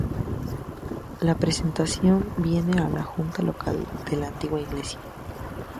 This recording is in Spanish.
La presentación viene de la junta local de la antigua iglesia.